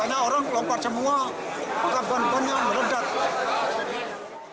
makanya orang lompat semua maka ban ban yang meledak